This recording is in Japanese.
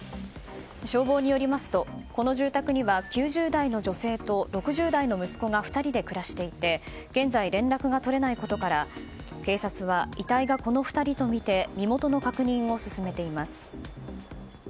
消防によりますとこの住宅には９０代の女性と６０代の息子が２人で暮らしていて現在、連絡が取れないことから警察は遺体がこの２人とみて身元の確認を進めています。